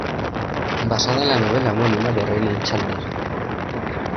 Basada en la novela homónima de Raymond Chandler.